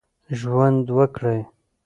ژوند ورکړئ.